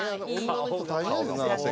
女の人大変やな。